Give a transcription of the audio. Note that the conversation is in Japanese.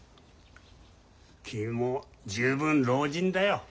君も十分老人だよ。